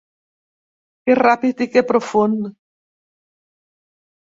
Què ràpid i què profund!